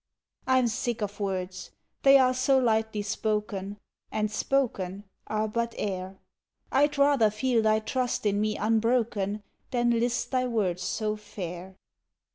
I'm sick of words: they are so lightly spoken, And spoken, are but air. I'd rather feel thy trust in me unbroken Than list thy words so fair.